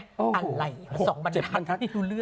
อะไรสองบันทัศน์โอ้โฮ๗๐๐๐ทัศน์ดูเรื่อง